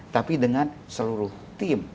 tapi dengan seluruh tim